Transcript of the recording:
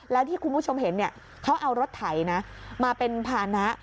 แล้วที่คุณผู้ชมเห็นเขาเอารถไถนะมาเป็นภานะ